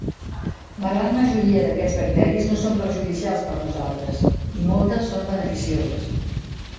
La gran majoria d'aquests bacteris no són perjudicials per a nosaltres, i moltes són beneficioses.